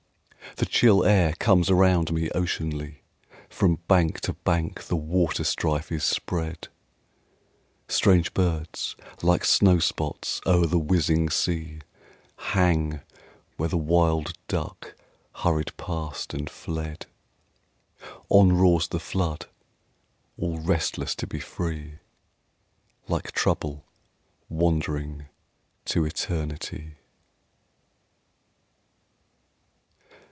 The chill air comes around me oceanly, From bank to bank the waterstrife is spread; Strange birds like snowspots oer the whizzing sea Hang where the wild duck hurried past and fled. On roars the flood, all restless to be free, Like Trouble wandering to Eternity.